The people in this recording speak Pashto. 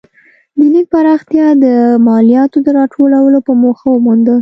د لیک پراختیا د مالیاتو د راټولولو په موخه ومونده.